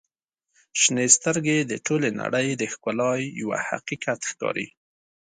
• شنې سترګې د ټولې نړۍ د ښکلا یوه حقیقت ښکاري.